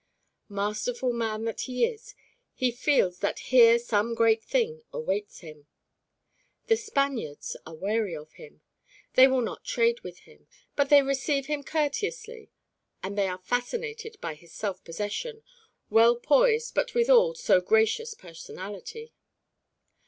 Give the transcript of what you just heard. Masterful man that he is, he feels that here some great thing awaits him. The Spaniards are wary of him. They will not trade with him, but they receive him courteously and they are fascinated by his self possessed, well poised but withal so gracious personality.